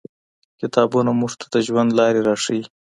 کتابونه موږ ته د ژوند لاري راښيي.